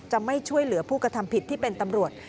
ไม่ช่วยเหลือผู้กระทำผิดที่เป็นตำรวจ